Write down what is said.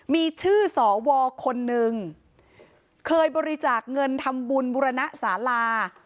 มีชื่อสวคนนึงเคยบริจาคเงินทำบุญบุรณสารา